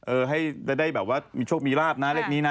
เออให้ได้แบบว่ามีโชคมีราบนะเลขนี้นะ